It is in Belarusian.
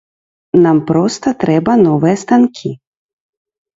Нам проста трэба новыя станкі!